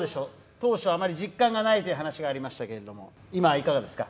当初、あまり実感がないという話がありましたけれども、今はいかがです